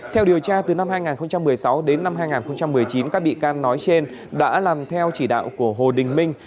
theo điều tra từ năm hai nghìn một mươi sáu đến năm hai nghìn một mươi chín các bị can nói trên đã làm theo chỉ đạo của hồ đình minh